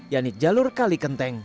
yaitu jalur kali kenteng